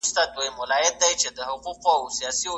زعفران د دوی دسترخان رنګین کوي.